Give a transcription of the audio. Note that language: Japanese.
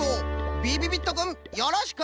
びびびっとくんよろしく。